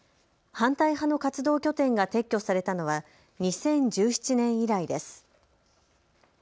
反対派の活動拠点が撤去されたのは２０１７年以来です。